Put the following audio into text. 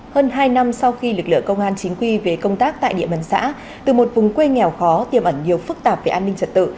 hơn hai năm sau khi lực lượng công an chính quy về công tác tại địa bàn xã từ một vùng quê nghèo khó tiềm ẩn nhiều phức tạp về an ninh trật tự